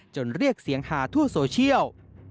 เรียกเสียงหาทั่วโซเชียล